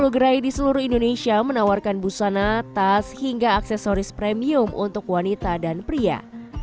sepuluh gerai di seluruh indonesia menawarkan busana tas hingga aksesoris premium untuk wanita dan pria